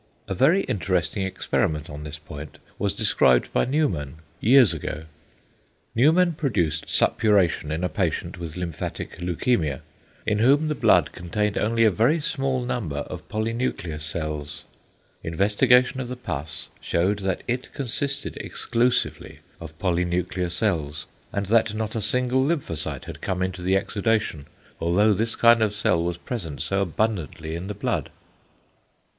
A very interesting experiment on this point was described by Neumann years ago. Neumann produced suppuration in a patient with lymphatic leukæmia, in whom the blood contained only a very small number of polynuclear cells. Investigation of the pus shewed that it consisted exclusively of polynuclear cells, and that not a single lymphocyte had come into the exudation, although this kind of cell was present so abundantly in the blood.